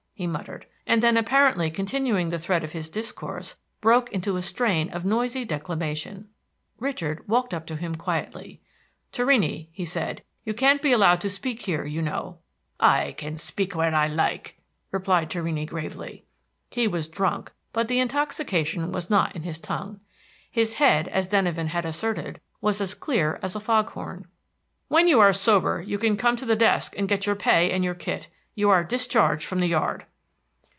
he muttered, and then, apparently continuing the thread of his discourse, broke into a strain of noisy declamation. Richard walked up to him quietly. "Torrini," he said, "you can't be allowed to speak here, you know." "I can speak where I like," replied Torrini gravely. He was drunk, but the intoxication was not in his tongue. His head, as Denyven had asserted, was as clear as a fog horn. "When you are sober, you can come to the desk and get your pay and your kit. You are discharged from the yard."